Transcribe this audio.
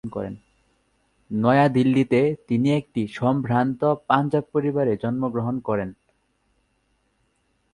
নয়া দিল্লিতে তিনি একটি সম্ভ্রান্ত পাঞ্জাব পরিবারে জন্মগ্রহণ করেন।